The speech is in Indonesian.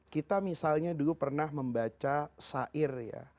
kita misalnya dulu pernah membaca sair ya